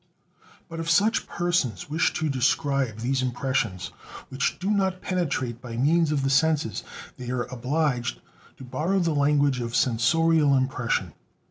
But if such persons wish to describe these impressions which do not penetrate by means of the senses, they are obliged to borrow the language of sensorial impression.